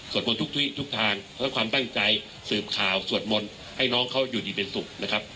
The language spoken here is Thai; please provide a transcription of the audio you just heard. ทุกทางและความตั้งใจสืบข่าวสวดมนต์ให้น้องเขาอยู่ดีเป็นสุขนะครับ